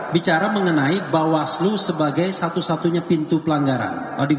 bicara mengenai bawaslu sebagai satu satunya pintu pelanggaran